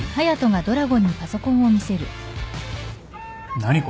何これ？